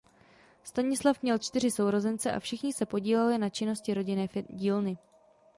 Stanislav měl čtyři sourozence a všichni se podíleli na činnosti rodinné dílny.